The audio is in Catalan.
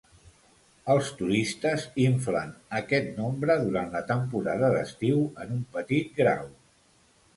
Els turistes inflen aquest nombre durant la temporada d'estiu en un petit grau.